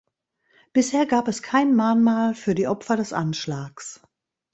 Bisher gibt es kein Mahnmal für die Opfer des Anschlags.